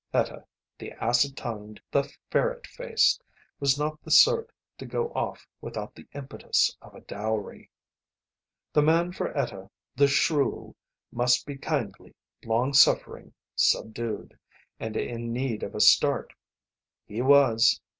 Etta, the acid tongued, the ferret faced, was not the sort to go off without the impetus of a dowry. The man for Etta, the shrew, must be kindly, long suffering, subdued and in need of a start. He was.